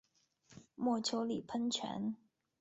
墨丘利喷泉。